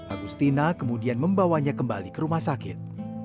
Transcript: agustina kemudian membawanya kembali ke rumah sakit